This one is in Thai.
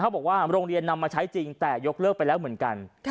บอกว่าโรงเรียนนำมาใช้จริงแต่ยกเลิกไปแล้วเหมือนกัน